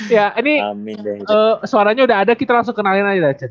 ya ini suaranya udah ada kita langsung kenalin aja deh